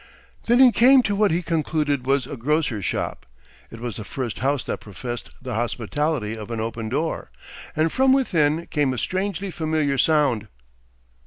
Then he came to what he concluded was a grocer's shop. It was the first house that professed the hospitality of an open door, and from within came a strangely familiar sound.